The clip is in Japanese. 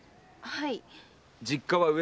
はい。